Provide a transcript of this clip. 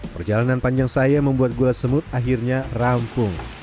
perjalanan panjang saya membuat gula semut akhirnya rampung